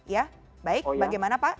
ya baik bagaimana pak